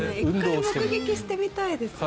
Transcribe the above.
１回目撃してみたいですよね。